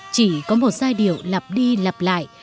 chỉ có một sai điệu lặp đi lặp lại